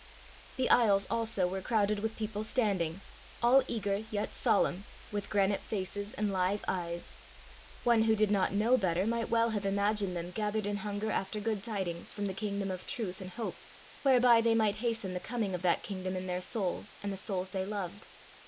The aisles also were crowded with people standing, all eager yet solemn, with granite faces and live eyes. One who did not know better might well have imagined them gathered in hunger after good tidings from the kingdom of truth and hope, whereby they might hasten the coming of that kingdom in their souls and the souls they loved.